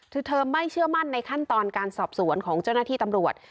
คือเธอไม่เชื่อมั่นในขั้นตอนการสอบสวนของเจ้าหน้าที่ตำรวจ